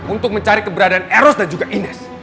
untuk mencari keberadaan eros dan juga ines